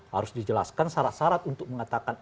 harus dijelaskan syarat syarat untuk mengatakan